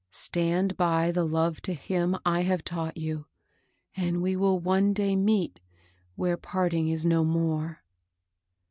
Stand by the love to Him I have taught you, and we will one day meet where part ing is no more."